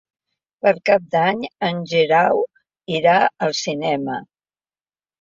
Per Cap d'Any en Guerau irà al cinema.